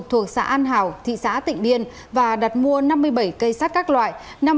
thuộc xã an hảo thị xã tịnh biên và đặt mua năm mươi bảy cây sắt các loại